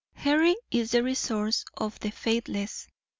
Hurry is the resource of the faithless.